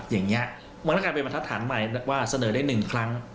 มันก็กลายเป็นบรรทัศน์ใหม่ว่าเสนอได้๑ครั้ง